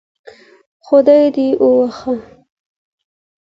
خدای دي ووهه